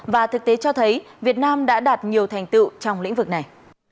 và thực tế cho thấy việt nam đã đạt nhiều thành tựu trong lĩnh vực này